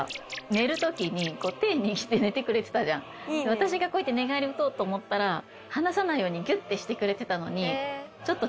私がこうやって寝返り打とうと思ったら離さないようにギュッてしてくれてたのに。